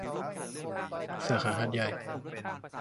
สาขาหาดใหญ่